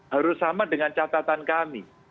harus sama dengan catatan kami